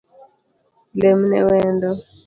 Lemne wendo